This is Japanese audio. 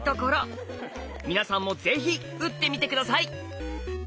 皆さんも是非打ってみて下さい。